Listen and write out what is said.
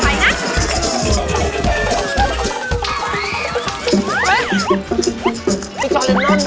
กินสินใจสำคัญธนาที่จะให้สนุกนะคะ